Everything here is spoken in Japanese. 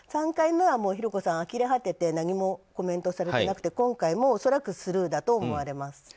３回目は寛子さんあきれ果てて何もコメントされていなくて今回も恐らくスルーだと思われます。